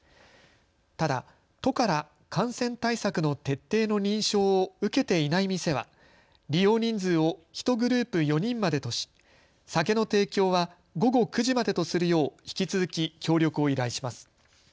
ただ都から感染対策の徹底の認証を受けていない店は利用人数を１グループ４人までとし酒の提供は午後９時までとするよう引き続き協力を依頼します。